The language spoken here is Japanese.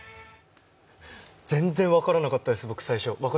全然分からなかったです、僕最初。